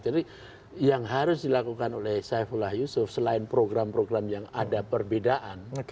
jadi yang harus dilakukan oleh saifulah yusuf selain program program yang ada perbedaan